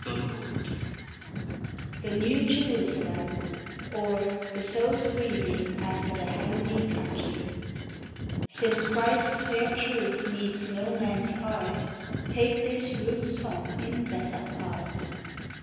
THE NEW JERUSALEM; OR, THE SOUL'S BREATHING AFTER THE HEAVENLY COUNTRY. "Since Christ's fair truth needs no man's art, Take this rude song in better part."